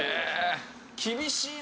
厳しいな！」